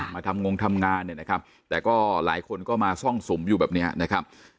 มาทำงงทำงานเนี่ยนะครับแต่ก็หลายคนก็มาซ่องสุมอยู่แบบเนี้ยนะครับ